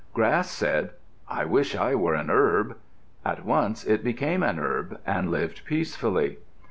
Grass said, "I wish I were an Herb." At once it became an Herb, and lived peacefully.